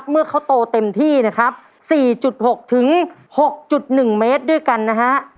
เมื่อเขาโตเต็มที่นะครับ๔๖๖๑เมตรด้วยกันนะฮะ